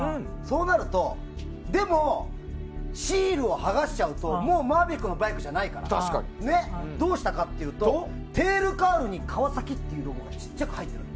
でも、シールを剥がしちゃうともうマーヴェリックのバイクじゃないからどうしたかっていうとテールカウルにカワサキってロゴがちっちゃく入ってるの。